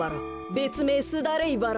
べつめいスダレイバラ。